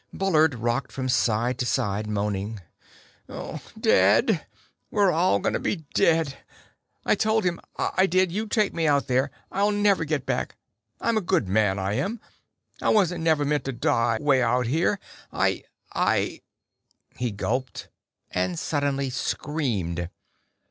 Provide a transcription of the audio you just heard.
Bullard rocked from side to side, moaning. "Dead. We're all gonna be dead. I told him, I did, you take me out there, I'll never get back. I'm a good man, I am. I wasn't never meant to die way out here. I I " He gulped and suddenly screamed.